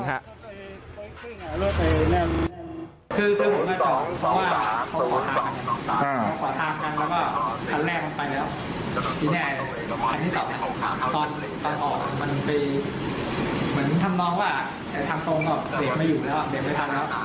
เหมือนทำน้องว่าถ้าทำตรงอ่ะเดี๋ยวไม่อยู่แล้วอ่ะเดี๋ยวไม่ทันแล้ว